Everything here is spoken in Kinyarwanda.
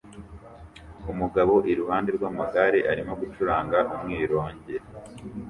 Umugabo iruhande rw'amagare arimo gucuranga umwironge